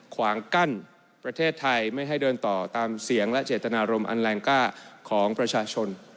ขวางกั้นประเทศไทยไม่ให้เดินต่อตามเสียงและเจตนารมณ์อันแรงกล้าของประชาชน